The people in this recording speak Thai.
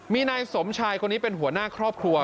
มีนายสมชายคนนี้เป็นหัวหน้าครอบครัว